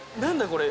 これ。